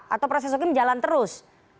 atau proses hukum jalan terus